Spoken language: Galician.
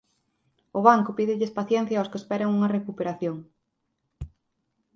O banco pídelles paciencia ós que esperan unha recuperación